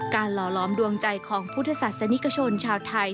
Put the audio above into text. หล่อล้อมดวงใจของพุทธศาสนิกชนชาวไทย